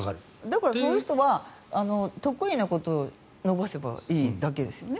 そういう人は得意なことを伸ばせばいいだけですよね。